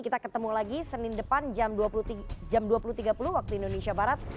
kita ketemu lagi senin depan jam dua puluh tiga puluh waktu indonesia barat